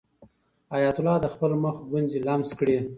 حیات الله د خپل مخ ګونځې لمس کړې.